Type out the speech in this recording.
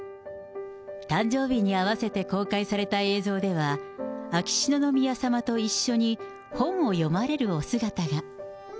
誕生日に合わせて公開された映像では、秋篠宮さまと一緒に本を読まれるお姿が。